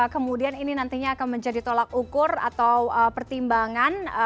kemudian ini nantinya akan menjadi tolak ukur atau pertimbangan